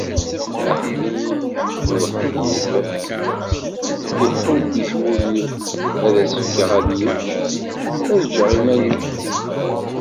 Aḥbib n uḥbib, iḥubb-it wul-iw; ad as-fkeɣ ad yečč, ad ǧǧeɣ iman-iw.